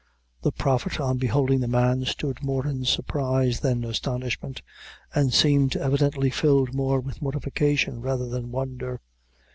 The Prophet, on beholding the man, stood more in surprise than astonishment, and seemed evidently filled more with mortification rather than wonder.